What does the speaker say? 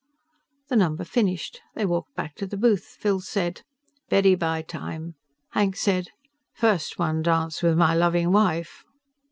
The number finished; they walked back to the booth. Phil said, "Beddy bye time." Hank said, "First one dance with my loving wife."